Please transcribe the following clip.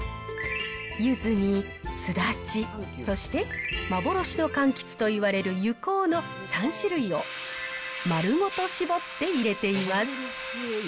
ゆずにすだち、そして幻のかんきつといわれるゆこうの３種類を丸ごと絞って入れています。